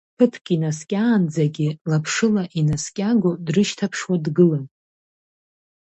Ԥыҭк инаскьаанӡагьы лаԥшыла инаскьаго, дрышьҭаԥшуа дгылан.